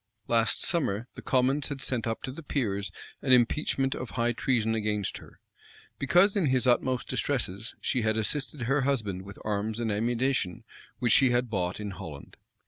Last summer, the commons had sent up to the peers an impeachment of high treason against her; because, in his utmost distresses, she had assisted her husband with arms and ammunition which she had bought in Holland.